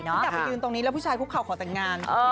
ต้องกลับไปยืนตรงนี้แล้วผู้ชายพูดเขาขอแต่งงาน